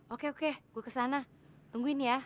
oke oke gue kesana tungguin ya